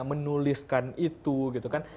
menuliskan itu gitu kan